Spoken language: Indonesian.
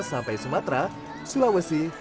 sampai sumatera sulawesi